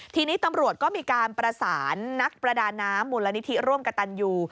ทีนี้ตำรวจก็มีการประสานนักประดาน้ำมูลนิธิร่วมกับตันยู